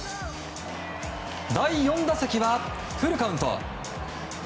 第４打席はフルカウント。